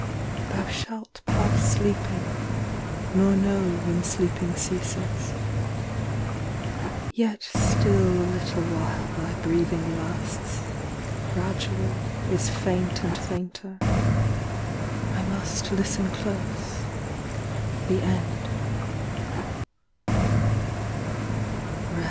Thou shalt Pass sleeping, nor know When sleeping ceases. Yet still A little while thy breathing lasts, Gradual is faint and fainter; I Must listen close the end."